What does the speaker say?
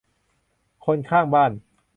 คนข้างบ้าน